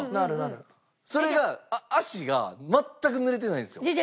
それが足が全く濡れてないんですよ。